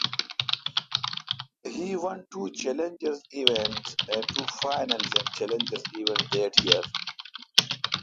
He won two challengers event and two finals in challengers event that year.